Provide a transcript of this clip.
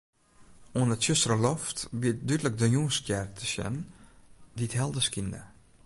Oan 'e tsjustere loft wie dúdlik de Jûnsstjer te sjen, dy't helder skynde.